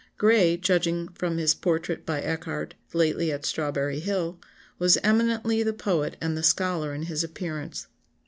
*] "Gray, judging from his portrait by Echardt, lately at Strawberry Hill, was eminently the poet and the scholar in his appearance.